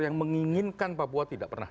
yang menginginkan papua tidak pernah